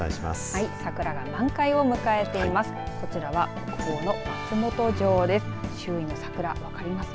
はい、桜が満開を迎えています。